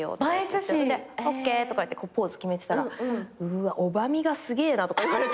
ほんでＯＫとか言ってポーズ決めてたら「うっわおばみがすげえな」とか言われて。